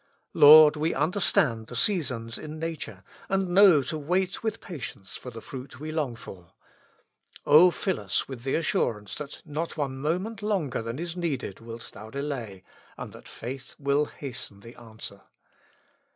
Lord ! we understand the seasons in nature, and know to wait with patience for the fruit we long for— O fill us with the assurance that not one moment longer than is needed wilt Thou delay, and that faith will hasten the answer.